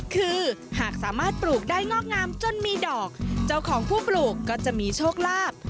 คือหากสามารถปลูกได้งอกงามจนมีดอกเจ้าของผู้ปลูกก็จะมีโชคลาภ